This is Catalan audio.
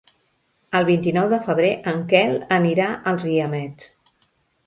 El vint-i-nou de febrer en Quel anirà als Guiamets.